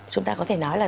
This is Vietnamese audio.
chúng ta có thể nói là